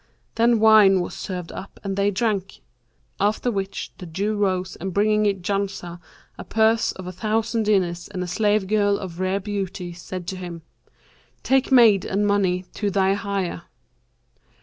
Then wine was served up and they drank; after which the Jew rose and bringing Janshah a purse of a thousand diners and a slave girl of rare beauty, said to him, 'Take maid and money to thy hire.'